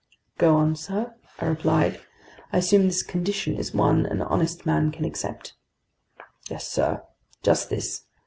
"Go on, sir," I replied. "I assume this condition is one an honest man can accept?" "Yes, sir. Just this.